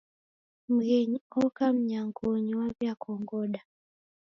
Mghenyi oka mnyangonyi, waw'iakongoda